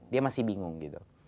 dia masih bingung